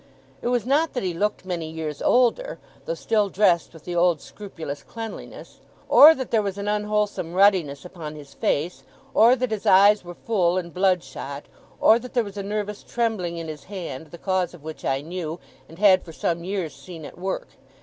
It was not that he looked many years older, though still dressed with the old scrupulous cleanliness; or that there was an unwholesome ruddiness upon his face; or that his eyes were full and bloodshot; or that there was a nervous trembling in his hand, the cause of which I knew, and had for some years seen at work.